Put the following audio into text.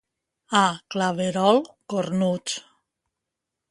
A Claverol, cornuts.